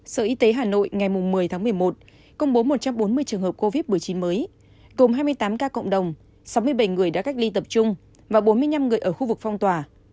sở y tế hà nội ngày một mươi tháng một mươi một công bố một trăm bốn mươi trường hợp covid một mươi chín mới gồm hai mươi tám ca cộng đồng sáu mươi bảy người đã cách ly tập trung và bốn mươi năm người ở khu vực phong tỏa